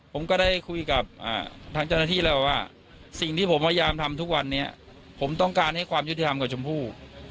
ผมก็ได้คุยกับทางเจ้าหน้าที่แล้วว่าสิ่งที่ผมพยายามทำทุกวันนี้ผมต้องการให้ความยุติธรรมกับชมพู่